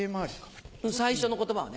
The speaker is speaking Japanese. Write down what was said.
最初の言葉はね。